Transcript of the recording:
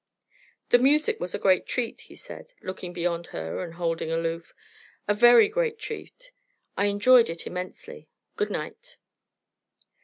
"The music was a great treat," he said, looking beyond her and holding aloof "a very great treat. I enjoyed it immensely. Good night."